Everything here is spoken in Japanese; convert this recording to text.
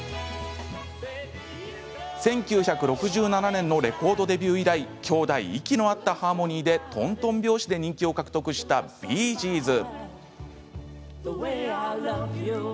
１９６７年のレコードデビュー以来兄弟、息の合ったハーモニーでとんとん拍子で人気を獲得したビー・ジーズ。